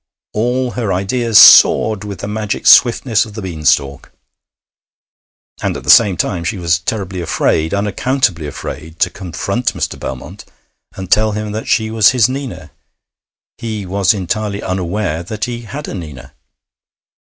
All her ideas soared with the magic swiftness of the bean stalk. And at the same time she was terribly afraid, unaccountably afraid, to confront Mr. Belmont and tell him that she was his Nina; he was entirely unaware that he had a Nina.